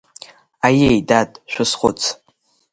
Аиеи, дад, шәазхәыц…